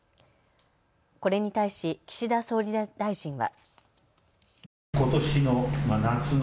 これに対し岸田総理大臣は。